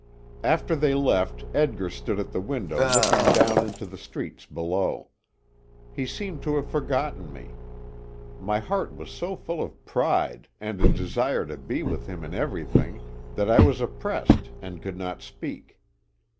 After they left, Edgar stood at the window looking down into the streets below. He seemed to have forgotten me. My heart was so full of pride and a desire to be with him in everything, that I was oppressed and could not speak.